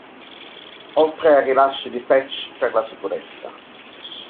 Oltre ai rilasci di patch per la sicurezza.